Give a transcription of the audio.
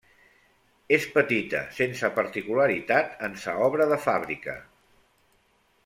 És petita, sense particularitat en sa obra de fàbrica.